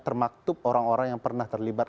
termaktub orang orang yang pernah terlibat